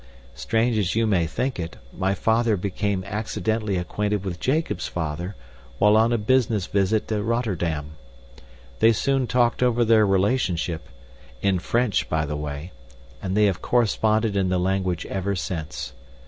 Strange as you may think it, my father became accidentally acquainted with Jacob's father while on a business visit to Rotterdam. They soon talked over their relationship in French, by the way and they have corresponded in the language ever since.